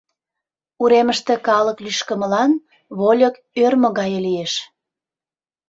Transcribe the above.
Уремыште калык лӱшкымылан вольык ӧрмӧ гае лиеш.